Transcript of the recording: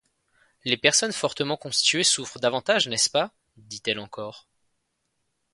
Les personnes fortement constituées souffrent davantage, n’est-ce pas? dit-elle encore.